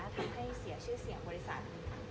ทำให้เสียชื่อเสียงบริษัทนี้ค่ะ